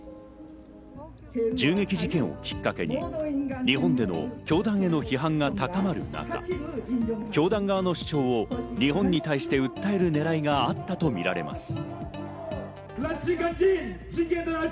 銃撃事件をきっかけに日本での教団への批判が高まる中、教団側の主張を日本に対して訴える狙いがあったとみられます。